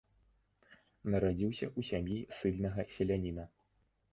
Нарадзіўся ў сям'і ссыльнага селяніна.